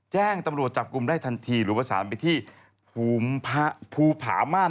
แจ้งตำรวจจับกลุ่มได้ทันทีหรือประสานไปที่ภูมิภูผามาศ